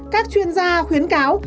các chuyên gia khuyến cáo